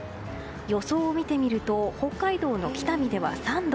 予想を見てみると北海道の北見では３度。